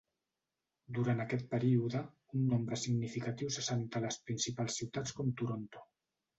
Durant aquest període, un nombre significatiu s'assentà a les principals ciutats com Toronto.